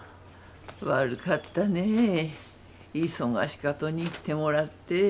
悪かったね忙しかとに来てもらって。